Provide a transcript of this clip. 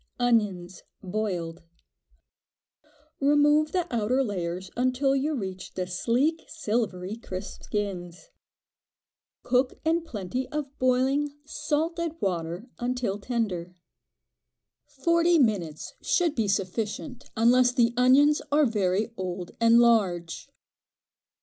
Onions (boiled). Remove the outer layers until you reach the sleek, silvery, crisp skins. Cook in plenty of boiling, salted water, until tender. Forty minutes should be sufficient, unless the onions are very old and large.